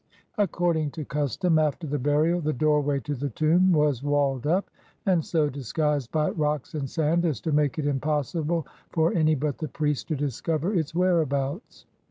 According to custom, after the burial the doorway to the tomb was walled up, and so disguised by rocks and sand as to make it impossible for any but the priests to discover its whereabouts.